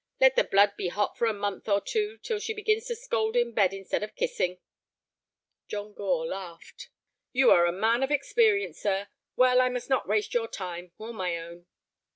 Let the blood be hot for a month or two, till she begins to scold in bed instead of kissing." John Gore laughed. "You are a man of experience, sir. Well, I must not waste your time—or my own."